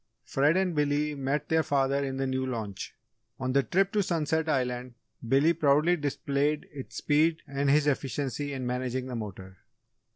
Fred and Billy met their father in the new launch. On the trip to Sunset Island, Billy proudly displayed its speed and his efficiency in managing the motor.